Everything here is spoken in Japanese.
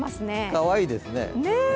かわいいですね。